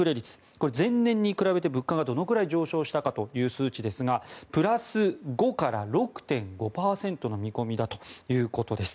これは前年に比べて物価がどれぐらい上昇したかという数値ですがプラス５から６．５％の見込みだということです。